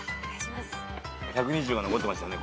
１２０が残ってましたね